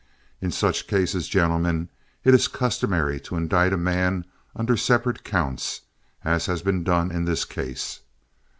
In such cases, gentlemen, it is customary to indict a man under separate counts, as has been done in this case.